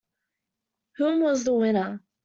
Hulme was the winner.